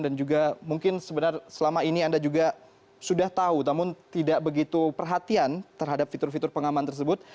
dan juga mungkin sebenarnya selama ini anda juga sudah tahu namun tidak begitu perhatian terhadap fitur fitur pengaman tersebut